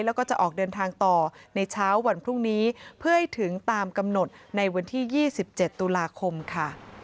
แล้วก็จะออกเดินทางต่อในเช้าวันพรุ่งนี้เพื่อให้ถึงตามกำหนดในวันที่๒๗ตุลาคมค่ะ